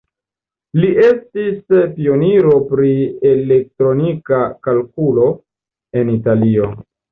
Li estis pioniro pri elektronika kalkulo en Italio.